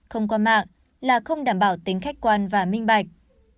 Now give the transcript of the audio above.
không qua mạng là không đảm bảo tính khách quan và minh bạch